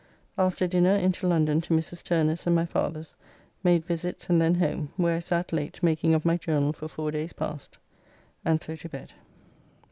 After dinner into London to Mrs. Turner's and my father's, made visits and then home, where I sat late making of my journal for four days past, and so to bed.